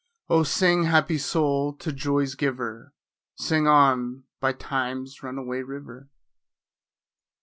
Oh, sing, happy soul, to joy's giver— Sing on, by Time's run away river.